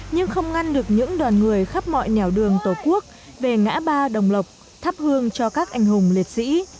nhưng không ngăn được những đoàn người khắp mọi nẻo đường tổ quốc về ngã ba đồng lộc thắp hương cho các anh hùng liệt sĩ